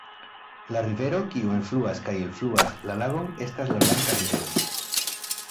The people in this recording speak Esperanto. La rivero, kiu enfluas kaj elfluas la lagon, estas la Blanka rivero.